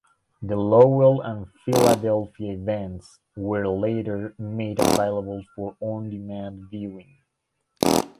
The Lowell and Philadelphia events were later made available for on demand viewing.